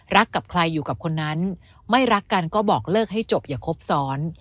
กับใครอยู่กับคนนั้นไม่รักกันก็บอกเลิกให้จบอย่าครบซ้อน